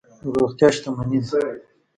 روغتیا شتمني ده.